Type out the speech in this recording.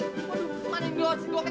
aduh mana yang gue harus kejar